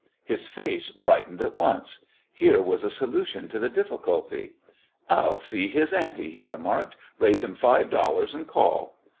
His face brightened at once. Here was a solution to the difficulty. "I '11 see his ante," he remarked. "Raise him five dollars and call."